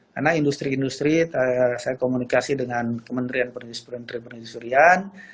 karena industri industri saya komunikasi dengan kementerian perindustrian pernindustrian